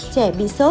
trẻ bị sốt